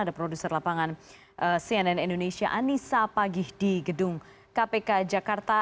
ada produser lapangan cnn indonesia anissa pagih di gedung kpk jakarta